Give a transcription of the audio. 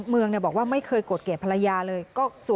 ไม่รู้จริงว่าเกิดอะไรขึ้น